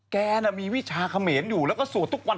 แกน่ะมีวิชาเขมรอยู่แล้วก็สวดทุกวัน